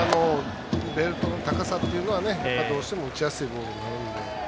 ベルトの高さっていうのはどうしても打ちやすいボールになるので。